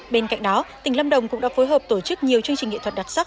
bên cạnh đó tỉnh lâm đồng cũng đã phối hợp tổ chức nhiều chương trình nghệ thuật đặc sắc